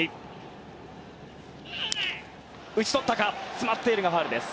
詰まっているがファウルです。